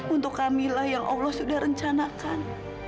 untuk kamilah yang allah sudah rencanakan